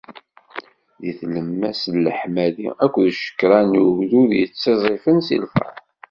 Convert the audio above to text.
Di tlemmast n leḥmadi akked ccekran n ugdud yettiẓẓifen si lferḥ.